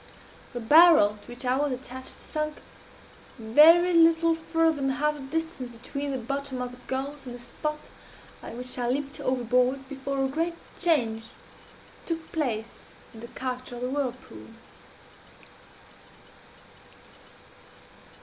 The barrel to which I was attached sunk very little farther than half the distance between the bottom of the gulf and the spot at which I leaped overboard, before a great change took place in the character of the whirlpool.